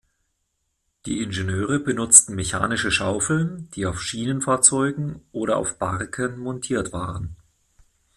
Die Ingenieure benutzten mechanische Schaufeln, die auf Schienenfahrzeugen oder auf Barken montiert waren.